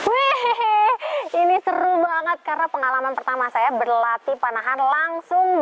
wehe ini seru banget karena pengalaman pertama saya berlatih panahan langsung di